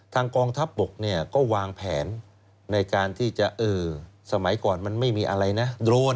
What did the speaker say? กองทัพบกเนี่ยก็วางแผนในการที่จะสมัยก่อนมันไม่มีอะไรนะ